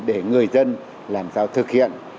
để người dân làm sao thực hiện